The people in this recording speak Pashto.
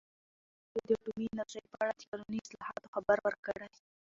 ازادي راډیو د اټومي انرژي په اړه د قانوني اصلاحاتو خبر ورکړی.